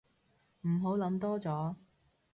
唔好諗多咗